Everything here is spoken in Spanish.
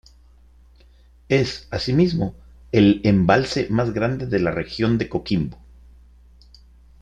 Es asimismo el embalse más grande de la Región de Coquimbo.